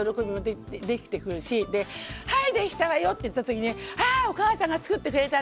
で、はい、できたわよ！って言った時にお母さんが作ってくれた！